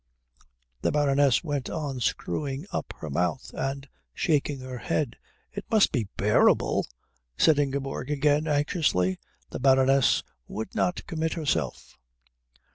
The Baroness went on screwing up her mouth and shaking her head. "It must be bearable," said Ingeborg again, anxiously. The Baroness would not commit herself.